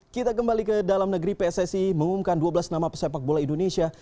kita kembali ke dalam negeri pssi mengumumkan dua belas nama pesepak bola indonesia